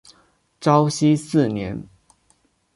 绍熙四年。